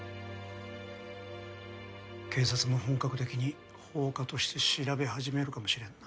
警察も本格的に放火として調べ始めるかもしれんな。